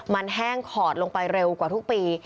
มันแห้งขอดลงไปเร็วกว่าทุกปี